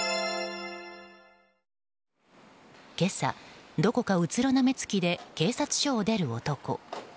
今朝、どこかうつろな目つきで警察署を出る男。